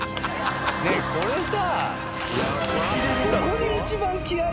ねえこれさ。